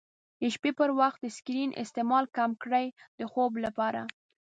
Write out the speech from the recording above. د شپې پر وخت د سکرین استعمال کم کړئ د خوب لپاره.